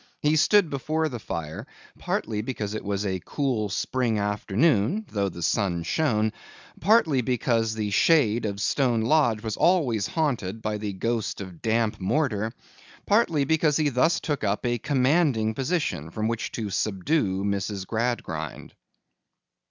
He stood before the fire, partly because it was a cool spring afternoon, though the sun shone; partly because the shade of Stone Lodge was always haunted by the ghost of damp mortar; partly because he thus took up a commanding position, from which to subdue Mrs. Gradgrind.